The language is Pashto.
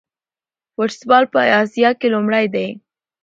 فوټسال یې په اسیا کې لومړی دی.